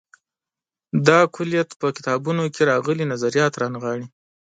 دا کُلیت په کتابونو کې راغلي نظریات رانغاړي.